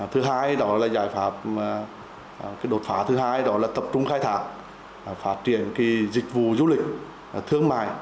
thứ hai đó là giải pháp đột phá thứ hai đó là tập trung khai thác phát triển dịch vụ du lịch thương mại